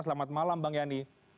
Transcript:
selamat malam bang yani